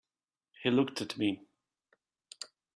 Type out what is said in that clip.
He looked at me.